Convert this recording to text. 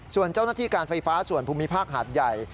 ส่วนเจ้าหน้าที่การไฟฟ้าส่วนภูมิภาคหาดใหญ่